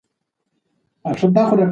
که خندا وي نو ټولګی نه غمجن کیږي.